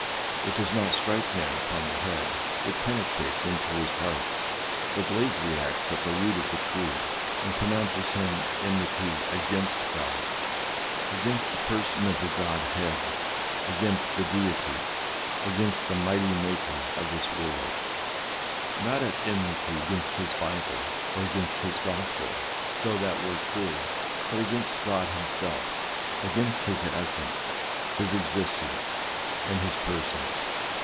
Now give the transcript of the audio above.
It does not strike man upon the head ; it penetrates into his heart ; it lays the axe at the root of the tree, and pronounces him "enmity against God" against the person of the Godhead, against the Deity, against the mighty Maker of this world ; not at enmity against his Bible or against his gospel, though that were true, but against God himself, against his essence, his existence, and his person.